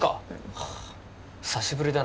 はあ久しぶりだな